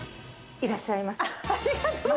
いらっしゃいませ。